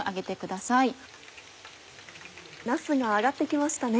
なすが揚がって来ましたね。